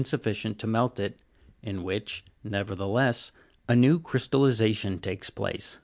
sufficient to melt it, in which, nevertheless, a new crystallization takes place.